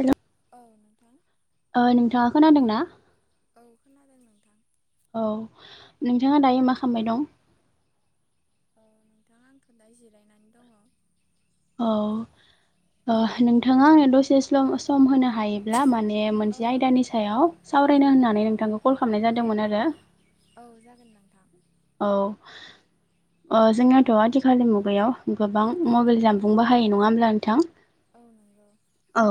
हेल' औ नोंथां ओ नोंथाङा खोनादों ना? औ खोनादों नोंथां‌। औ नोंथाङा दायो मा औ खामबाय दं? औ नोंथां आंथ' दा जिरायनानै दङ। औ ओ नोंथाङा आंनो दसे स्लम सम होनो हायोब्ला माने औ मोनसे आयदानि सायाव सावरायनो होननानै नोंथांखौ कल खालामनाय जादोंमोन आरो। औ जागोन नोंथां। औ अ जोंनाथ' आथिखालनि मुगायाव गोबां औ मबेल जानबुं बाहायो नङा होमब्ला नोंथां? औ नंगौ। औ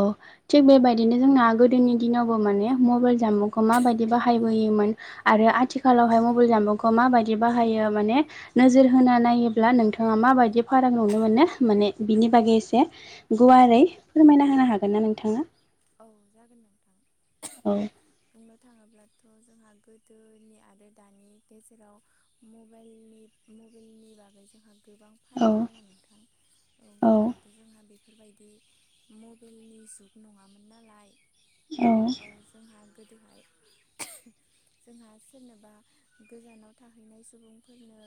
थिग बेबायदिनो जोंना गोदोनि दिनावबो माने मबेल जामुंखौ माबायदि बाहायबोयोमोन आरो आ औ थिखालावहाय मबेल जानबुंखौ माबायदि बाहायो माने नोजोर होना नायोब्ला नोंथाङा माबायदि फाराग नुनो मोनो माने बिनि बागै एसे गुवारै फोरमायना होनो हागोनना नोंथाङा? औ जागोन नोंथां। औ बुंनो थाङोब्लाथ' जोंहा गोदोनि आरो दानि गेजेराव मबाइलनि मबाइलनि बागै जोंहा गोबां औ फाराग दङ नोंथां औ गोदोहायाथ' जोंहा बे बेफोरबायदि मबेलनि जुग नङामोन नालाय औ जोंहा गोदोहाय [inaudible] जोंहा सोरनोबा गोजानाव थाहैनाय सुबुंफोरनो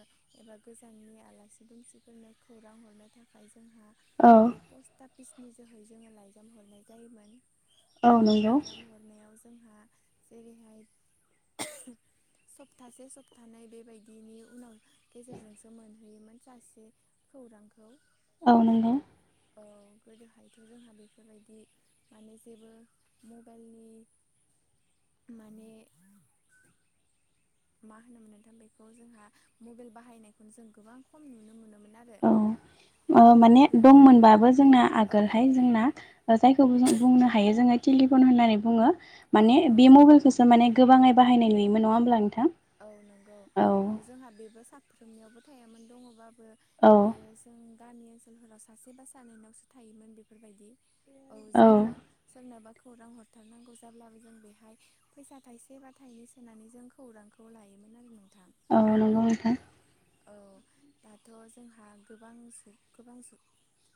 एबा गोजाननि आलासि दुम सि फोरनो खौरां हरनो थाखाय जोंहा औ बे पस्टा फिसनि जोहै जोङो लाइजाम हरनाय जायोमोन। औ लाइजाम हरनायाव जोंहा जेरैहाय [inaudible] सप्तासे सप्तानैै बेबायदिनि उनाव गेजेरजोंसो मोनहैयोमोन सासे खौरांखौ औ नंगौ। औ गोदोहायथ' जोंहा बेफोरबायदि माने जेबो मबाइलनि माने मा होनोमोन नोंथां बेखौ जोंहा मबेल बाहायनायखौनो जों गोबां खम नुनो मोनोमोन। आरो औ अ औ माने गैयानो दंमोनबाबो जोंना औ आगोलहाय जोंना ओ जायखौ जों बुंनो हायो जोङो टेलिफन होननानै बुङो। औ माने औ बे मबाइलखोसो माने गोबाङै बाहानाय नुयोमोन नङा होमब्ला नोंथां औ नंगौ औ जोंहा बेबो साफ्रोमनियावबो थायामोन दङबाबो बे बे औ जों गामि ओनसोलफोराव सासे बा सानैनावसो थायोमोन बेफोरबादि। औ जोङो सोरनोबा खौरां हरथारनांगौ जाब्लाबो जों बेहाय फैसा थाइसे बा थाइनै सोनानै जों खौरां खौ लायोमोन आरो नोंथां। औ नंगौ नोंथां। औ दाथ' जोंहा गोबांसै गोबां जुग।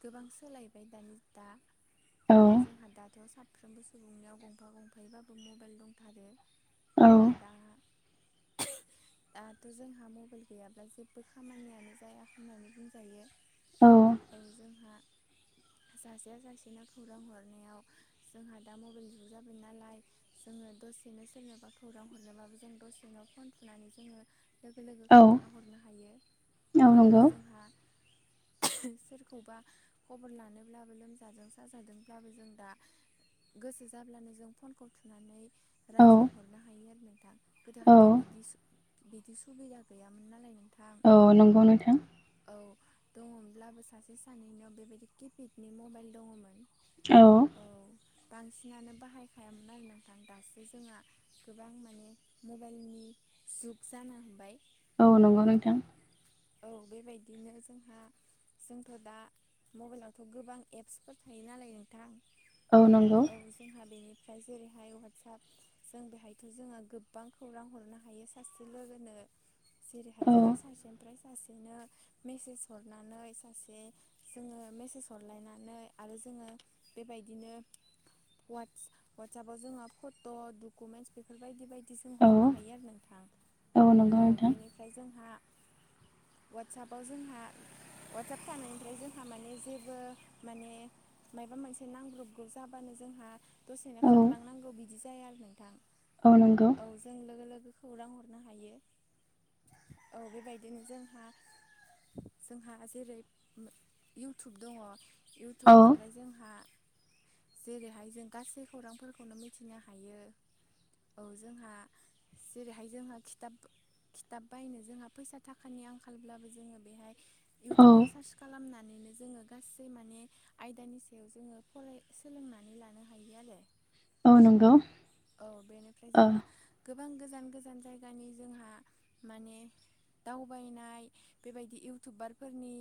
गोबां सोलायबाय दानि दा। औ जोंहा दाथ' साफ्रोमबो सुबुंनियाव गंफा गंफायैबाबो मबेल दंथारो। औ दा [inaudible] दाथ' जोंहा मबेल गैयाब्ला जेबबो खामानियानो जाया होननानै बुंजायो। औ ओ जोंहा जाजाया जासेना खौरां हरनायाव जोंहा दा मबाइल जुग जाबाय नालाय जोङो दसेनो सोरनोबा खौरां हरनोबाबो जों दस नोंनाव फन थुनानै जोङो लोगो लोगो औ खोन्थाहरनो हायो। औ जोंहा। ओह सोरखौबा खबर लानोब्लाबो लोमजादों साजादोंब्लाबो जों दा। गोसो जाब्लानो जों फनखौ थुनानै औ रायज्लायहरनो हायो आरो। औ थ' बिदि सु बिदि सुबिदा गैयामोन नालाय नों। औ नंगौ नोंथां। दङमोनब्लाबो सासे सानैनियाव बेबायदि किपेडनि मबाइल दङमोन। औ। बांसिनानो बाहायखायामोन आरो नोंथां दासो जोंहा गोबां माने मब बाइलनि जुग जानो हाबाय। औ नंगौ नोंथां। औ बेबायदिनो जोंहा जोंथ' दा मबाइलावथ' गोबां एप्सफोर थायो नालाय नोंथां। औ जोंहा बेनि। ओमफ्राय जेरैहाय वाटसप जों बेहायथ' जोङो गोबां खौरां हरनो हायो सासे लोगोनो। जेरैहाय औ जोंहा सासे सासेनो मेसेज हरनानै सासे जोङो मेसेज हरलायनानै आरो जोङो बेबायदिनो वाटस वाटसएपाव जोंहा फट' डकुमेन्टस बेफोरबायदि बाय दि जों औ हरनो हायो आरो नोंथां। नंगौ औ नोंथां बेनिफ्राय जोंहा वाटसएपआव जोंहा वाटसएप थानायनिफ्राय जोंहा माने जेबो माने मायबा मोनसे नांब्रबगौ जाबानो जोंहा दसेनो औ खारलांनांगौ बिदि जाया आरो नोंथां औ नंगौ औ जों लोगो लोगो खौरां हरनो हायो औ बेबायदिनो जोंहा जोंहा जेरै इउटुब दङ औ इउटुबनिफ्राय जोंहा जेरैहाय जों गासै खौरांफोरखौनो मिथिनो हायो। औ जोंहा जेरैहाय जोंहा खिथाब खिथाब बायनो जोंहा फैसा थाखानि आंखालब्लाबो जोङो बेहाय औ इउटुबाव सार्च खालामनानैनो जोङो गासै माने आयदानि सायाव जोङो फराय सोलोंनानै लानो हायो आरो। औ नंगौ औ बेनिफ्राय औ जोंहा गोब बां गोजान गोजान जायगानि जोंहा माने दावबायनाय बेबायदि इउटुबारफोरनि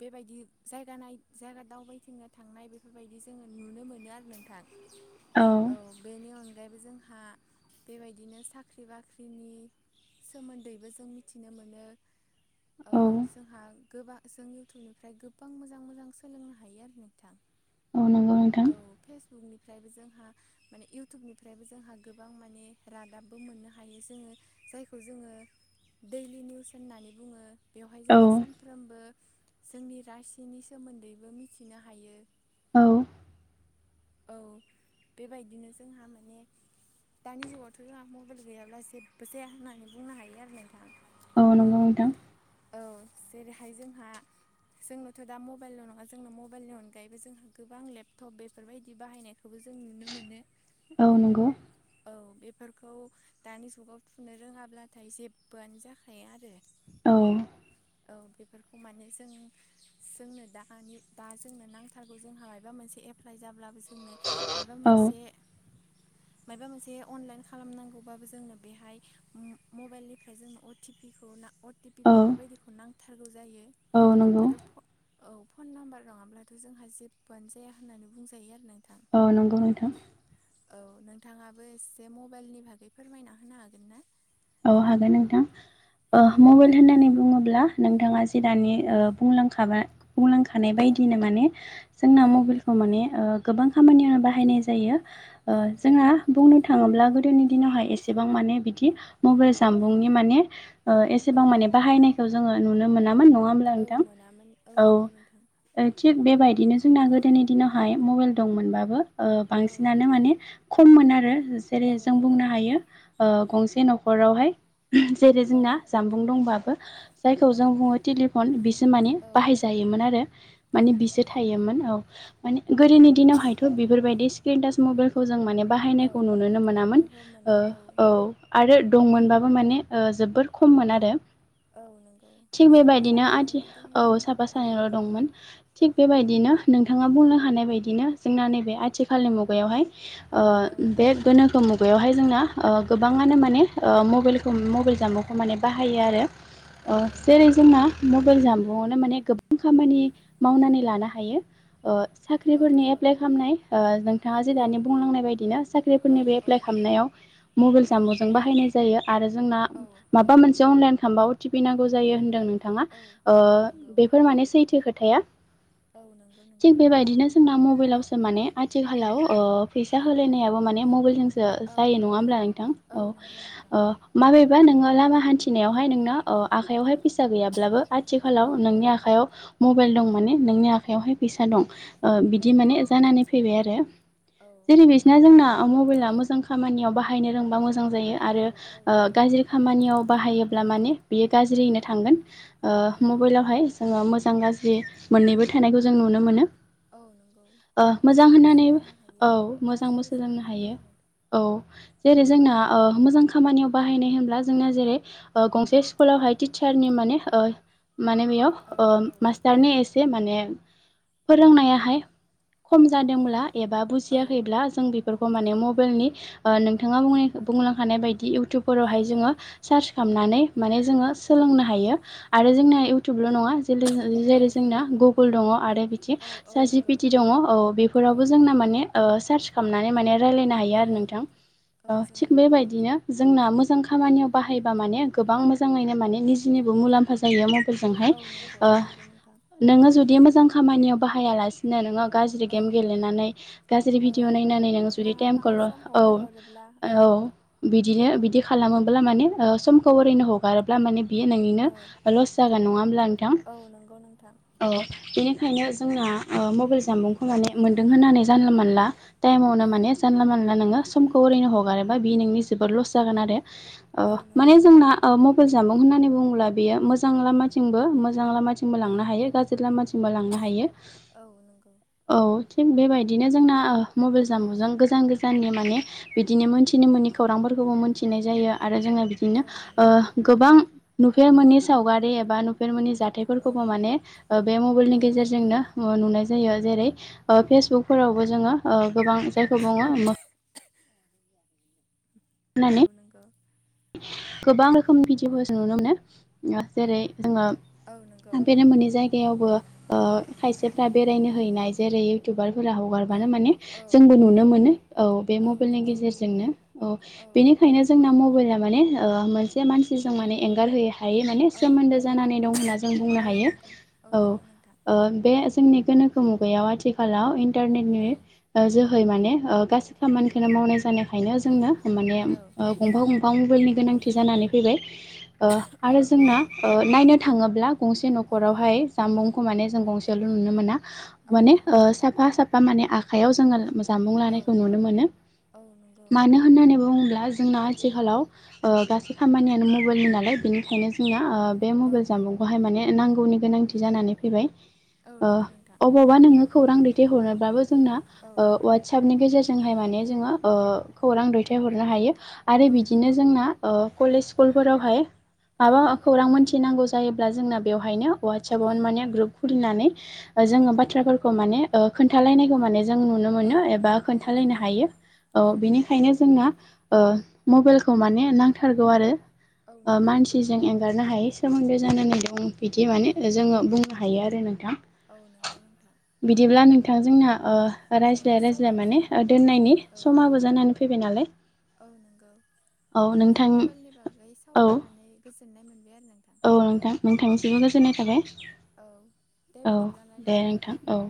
बेबायदि जायगा नाय जायगा दावबायथिंनो थांनाय बेफोरबायदि जोङो नुनो मोनो आरो नोंथां। औ बेनि अन गायैबो जोंहा बेबायदिनो साख्रि बाख्रिनि सोमोन्दैबो जों मि थिनो मोनो औ जोंहा। गोबां जों इयउटुबनिफ्राय गोबां मोजां मोजां सोलोंनो हायो आरो नोंथां। औ नंगौ नोंथां औ फेसबुकनि फ्रायबो जोंहा माने इयउटुबनिफ्रायबो जोंहा गोबां माने रादाबबो मोननो हायो जोङो। जायखौ जोङो दैलि निउस होननानै बुङो बेवहाय जोङो औ सानफ्रोमबो जोंनि रासिनि सोमोन्दैबो मिथिनो हायो। औ। औ बेबायदिनो जोंहा माने दानि जुगावथ' जोंहा मबाइल गैयाब्ला जेबो जाया होननानै बुंनो हायो आरो नोंथाङ। अ नंगौ नोंथां औ जेरैहाय जोंहा जोंनोथ' दा मबाइल' नङा जोंनो मबाइलनि अनगायैबो जोंहा गोबां लेपटप बेफोरबायदि बाहायनायखोबो जों जों नुनो मोनो। औ नंगौ। औ बेफोरखौ दानि जुगाव थुनो रोङाब्लाथाय जेबोआनो जाखाया आरो। औ। औ बेफोरखौ माने जों जोंनो दानि दा जोंनो नांथारगौ जोंहा मायबा मोनसे एप्लाइ जाब्लाबो जोंनो मायाबा औ मोनसे [inaudible] मायबा मोनसे अनलाइन खालामनांगौबाबो जोंनो बेहाय मबाइलनिफ्राय जोंनो अटि पिखौ ना अटि औ बेफोरबायदिखौ नांथारगौ जायो औ नंगौ आरो फ औ। फन नाम्बार नङाब्लाथ' जोंहा जेबोआनो जाया होननानै बुंजायो आरो नों औ नंगौ नोंथां। औ नोंथाङाबो एसे मबाइलनि भागै फोरमायना होनो हागोन ना? औ हागोन नोंथां औ ओ मबेल होननानै बुङोब्ला नोंथाङा जि दानि ओ बुंलांखाबाय बुंलांखानाय औ बायदिनो माने जोंना मबिलखौ माने ओ गोबां खामानियावनो बाहायनाय जायो। ओ नंगौ औ जोंहा बुंनो थाङोब्ला गोदोनि दिनावहाय एसेबां माने बिदि औ मबेल जामबुंनि माने ओ एसेबां औ माने बाहायनायखौ जोङो नुनो मोनामोन। नङा होमब्ला नोंथां मोनामोन औ नंगौ नोंथां थिग बेबायदिनो जोंना गोदोनि दिनावहाय मबाइल दंमोनबाबो ओ औ बांसिनानो माने खममोन आरो। औ जेरै जों नंगौ बुंनो हायो ओ गंसे न'खरावहाय जेरै औ जोंना जाम्बुं दंबाबो जायखौ औ जों बुङो टेलिफन बिसो माने औ बाहायजायो। मोन आरो औ माने बिसो नंगौ थायोमोन औ। माने गोरोनि दिनावहायथ' बेफोरबायदि स्क्रिन टाच मबेलखौ जों माने औ बाहायनायखौ नुनोनो मोनामोन ओहो ओ मोनाम औ आरो दंमोनबाबो माने ओ जोबोर खममोन आरो। औ नोंगौ। थिग बेबायदिनो आथि औ साफा औ सानैल' दंमोन थिग बेबायदिनो नोंथाङा बुंनो हानाय बायदिनो जोंना नैबे आथिखालनि मुगायावहाय औ ओ बे गोनोखो मुगायावहाय जोंना ओ गोबाङानो माने ओ मबिलखौ मबिल जाम्बुंखौ माने बाहायो आरो औ ओ नंगौ जेरै जोंना मबेल जाम्बुं न'आवनो माने गोबां खामानि मावनानै लानो हायो। ओ औ साख्रिफोरनि नंगौ एप्लाइ खामनाय ओ नोंथाङा जि औ दानि बुंलांनाय बायदिनो औ साख्रिफोरनिबो औ एप्लाइ खाम नायाव मबेल औ जाम्बुजों बाहायनाय जायो आरो जोंना औ माबा मोनसे अनलाइन खामबा अटि पि नांगौ जायो होनदों नों थाङा औ ओ औ नंगौ बेफोर माने सैथो खोथाया। औ नंगौ थिग नोंथां बेबायदिनो जोंना म बेलावसो माने आथिखालाव ओ फैसा होलायनायाबो माने मबेलजों सो औ जायो नङा औ होमब्ला नोंथां नंगौ औ। नोंथां ओ माबेबा नोङो लामा हान्थिनायावहाय नोंना ओ आखाइयावहाय फैसा गैयाब्लाबो आथिखालाव औ नोंनि आखायाव मबेल दं माने नोंनि आखायावहाय फैसा दं। ओ बिदि औ माने जानानै फैबाय आरो औ जेरै बिसना जोंना मबेला मोजां खामानियाव बाहायनो रोंबा मोजां जायो औ आरो औ ओ नंगौ गाज्रि खामानियाव बाहायोब्ला माने बियो औ गाज्रियैनो थांगोन ओ औ मबेलावहाय जोङो मोजां गाज्रि मोननैबो थानायखौ जों नुनो मोनो। औ नंगौ। ओ मोजां मोजांबो होननानै सोलोंनो औ हायो मोजांबो गाज्रिबो सोलोंनो हायो। औ जेरै जोंना ओ मोजां खामानियाव बाहायनाय होनब्ला जोंना जेरै ओ गंसे स्कुलावहाय टिचारनि माने ओ माने बेयाव ओ आरो मास्टारनि एसे माने फोरोंनायाहाय खम जादोंब्ला एबा औ बुजियाखैब्ला जों बिफोरखौ औ माने मबाइलनि ओ नोंथाङा बुंनायखौ बुंलांखानाय बायदि इउ टुबफोरावहाय जोङो सार्च खामनानै माने जोङो सोलोंनो हायो आरो जोंना इउटुबल' नङा औ जेरै जोंना गुगल दङ आरो औ औ [unintelligible] जि पि नंगौ टि औ औ बेफोरावबो जोंना माने ओ सार्च खालामनानै माने रायलायनो हायो औ आरो नोंथां औ जों थिग बेबायदिनो जोंना मोजां खामानियाव बाहायबा माने गोबां मोजाङैनो माने निजिनिबो मुलाम्फा जायो म फोरजोंहाय औ नंगौ ओ नंगौ नोंथां नोङो जुदि मोजां खामानियाव बाहायालासिनो नोङो गाज्रि औ गेम गेलेनानै गाज्रि औ भिडिअ नायनानै नों जुदि नाङा टाइमखौ फाङा ल' सम औ हगार हरोब्ला औ [unintelligible] बिदिनो बिदि खालामोब्ला माने ओ समखौ ओरैनो हगारोब्ला माने बियो नोंनिनो औ लस जागोन नङा होमब्ला नोंथां औ नंगौ नोंथां औ बेनो खायनो जोंना ओ मबाइल जामबुंखौ माने मोनदों होननानै जानला मोनला टाइमावनो औ माने जानला मोनला नोङो समखौ ओरैनो हगारोबा बि नोंनि जोबोद लस जागोन आरो अ औ नंगौ माने नोंथां जोंना मबाइल जामुं होननानै बुङोब्ला बेयो मोजां लामाथिंबो मोजां लामाथिंबो औ लांनो हायो गाज्रि लामाथिंबो लांनो हायो औ नंगौ औ थिग बेबायदिनो जोंना ओ मबाइल जामुंजों गोजान गोजाननि माने बिदिनो मोनथिनो मोननि खौरांफोरखौबो मिथिनाय जायो आरो जोङो औ बिदिनो ओ नंगौ गोबां नुफेर मोननि सावगारि एबा नुफेर मोननि औ जाथायफोरखौबो माने ओ बे मबाइलनि औ गेजेरजोंनो ओ नुनाय जायो जेरै ओ फेसबुकफोरावबो जोङो ओ गोबां जायखौ बुङो औ होननानै नंगौ गोबां रोखोमनि भिडिअफोर जों नुनो मोनो ओ जेरै जोङो औ नंगौ थांफेरनो मोनै जायगायावबो ओ खायसेफ्रा बेरायनो हैनाय जेरै इउटुबार औ हगारबानो माने औ जोंबो औ नुनो मोनो औ बे मबेइलनि गेजेरजोंनो औ बेनि खायनो जोंना मबाइला माने ओ मोनसे मानसिजों माने ओ एंगारहोयो हायै माने औ सोमोनदो जानानै दं होन जों बुंनो औ हायो नंगौ औ नंगौ नोंथां ओ बे जोंनि गोनोखो मुगायाव आथिखालाव इन्टारनेनि औ ओ जो है माने ओ गासै खामानिखौनो मावनाय जानायखायनो जोंनो माने औ ओ गंफा गं फा मबाइलनि गोनांथि जानानै फैबाय ओ औ आरो नंगौ जोंना नोंथां ओ नायनो थाङोब्ला गंसे औ न'खरावहाय जामुं खौ माने जों गंसेल' नुनो मोना औ माने नंगौ ओ साफा साफा माने आखायाव जोङो [unintelligible] जामुं औ लानायखौ नुनो मोनो औ नंगौ मानो होननानै बुङोब्ला जोंना थिखालाव ओ गासै खामानियानो मबाइलनि नालाय बेनिखायनो जोङो ओ बे औ मबाइल जामबुंखौहाय माने नांगौनि गोनांथि जानानै फैबाय औ ओ नंगौ नोंथां अबावबा नोङो खौरां दैथायहरनोब्लाबो जोंना औ ओ अवाटसापनि गेजेरजों जोंहाय माने जोङो खौरां दैथायहरनो हायो आरो औ बिदिनो नंगौ जोंना ओ कलेज स्कुलफोरावहाय औ माबा खौरां मोनथिनांगौ जायोब्ला जोंना बेवहायनो औ अवातसापआवनो माने ग्रुप खुलिनानै ओ औ जोङो बाथ्राफोरखौ माने ओ खोनथालायनायखो माने जों नुनो औ मोनो एबा औ खोन्थालायनो नंगौ हायो औ बिनिखायनो जोंना ओ मबेइलखौ माने नांथारगौ आरो औ नंगौ नोंथां मानसिजों एंगारनो हायो सोमोन्दो जानानै दं बिदि औ माने जोङो बुंनो हायो आरो नोंथां औ नंगौ नोंथां बिदिब्ला नोंथां जोंना नोंथां ओ औ रायज्लाय रायज्लाय समाबो माने जानानै फैबाय दोननायनि औ समाबो जानानै फैबाय नालाय [unintelligible] औ नंगौ औ नोंथांजों नोंथां मबाइलनि बागै औ औ सावरायनानै गोजोननाय मोनबाय आरो नोंथां औ नाय थाबाय औ दे औ बिदिब्लालाय दे नोंथां औ